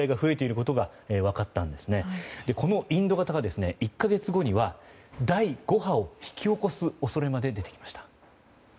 このインド型が１か月後には第５波を引き起こす恐れまで出てきました。